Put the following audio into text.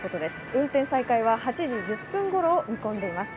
運転再開は８時１０分ごろを見込んでいます。